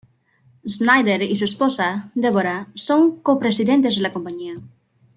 Snyder y su esposa, Deborah, son copresidentes de la compañía.